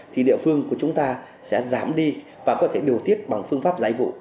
thì địa phương của chúng ta sẽ giảm đi và có thể điều tiết bằng phương pháp giải vụ